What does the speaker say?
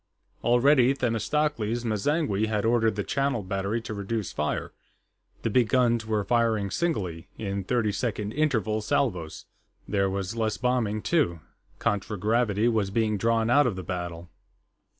Already, Themistocles M'zangwe had ordered the Channel Battery to reduce fire; the big guns were firing singly, in thirty second interval salvos. There was less bombing, too; contragravity was being drawn out of the battle.